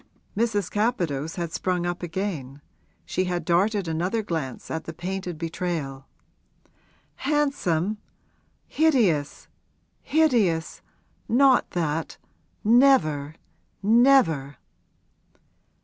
Mrs. Capadose had sprung up again; she had darted another glance at the painted betrayal. 'Handsome? Hideous, hideous! Not that never, never!'